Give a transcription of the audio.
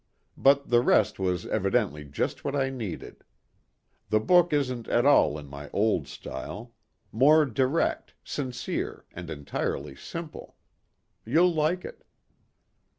But the rest was evidently just what I needed. The book isn't at all in my old style. More direct, sincere and entirely simple. You'll like it."